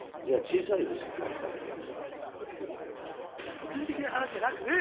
物理的な話じゃなくね。